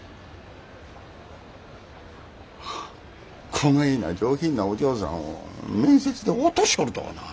こないな上品なお嬢さんを面接で落としよるとはなあ。